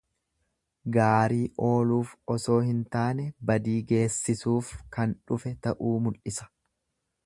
Gaarii ooluuf osoo hin taane badii geessisuuf kan dhufe ta'uu mul'isa.